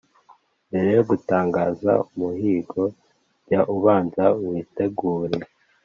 Mbere yo gutangaza umuhigo, jya ubanza witegure,